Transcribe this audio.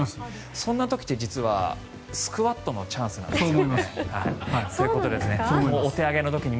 そんな時って実は、スクワットのチャンスなんですよね。